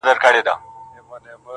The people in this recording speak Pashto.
که خدای فارغ کړاست له مُلایانو -